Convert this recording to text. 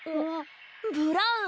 ブラウン！